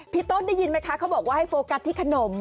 พี่ต้นได้ยินไหมคะเขาบอกว่าให้โฟกัสที่ขนม